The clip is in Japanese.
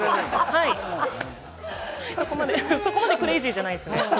そこまでクレイジーじゃないですね。